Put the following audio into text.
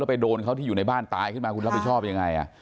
ไปโดนเขาที่อยู่ในบ้านตายขึ้นมาคุณรับผิดชอบยังไง